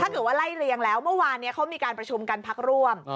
หรือว่าไล่เรียงแล้วเมื่อวานนี้เขามีการประชุมกันพักร่วม